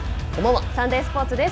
サンデースポーツです。